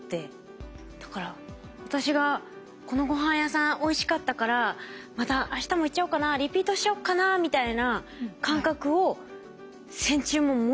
だから私がこのごはん屋さんおいしかったからまたあしたも行っちゃおうかなリピートしちゃおうかなみたいな感覚を線虫も持っているんですか？